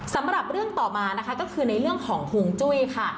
สำหรับเรื่องต่อมานะคะก็คือในเรื่องของฮวงจุ้ยค่ะ